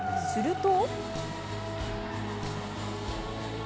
すると。